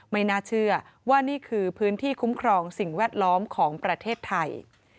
ไม่น่าเชื่อว่านี่คือพื้นที่คุ้มครองสิ่งแวดล้อมของประเทศไทย